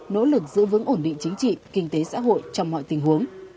nỗ lực giữ vững ổn định chính trị kinh tế xã hội trong mọi tình huống